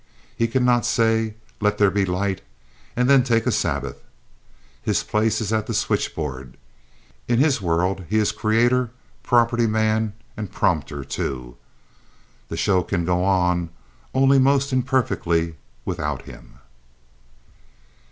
He cannot say, "Let there be light," and then take a Sabbath. His place is at the switchboard. In his world he is creator, property man and prompter, too. The show can go on only most imperfectly without him.